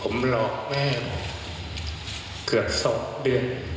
ผมหลอกแม่เกือบ๒เดือน